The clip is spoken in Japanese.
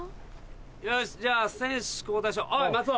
よしじゃあ選手交代しようおい松尾。